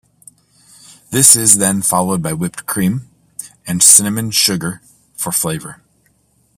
This is then followed by whipped cream and cinnamon sugar for flavor.